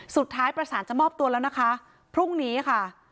สุดท้ายประสานจะมอบตัวแล้วนะคะพรุ่งนี้ค่ะ